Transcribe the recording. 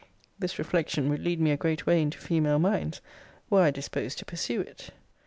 This reflection would lead me a great way into female minds, were I disposed to pursue it.